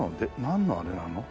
なんのあれなの？